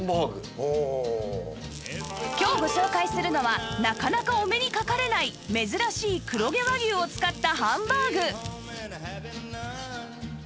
今日ご紹介するのはなかなかお目にかかれない珍しい黒毛和牛を使ったハンバーグ